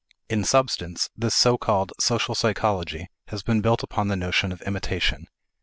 In substance, this so called social psychology has been built upon the notion of imitation.